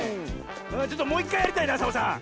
ちょっともういっかいやりたいなサボさん。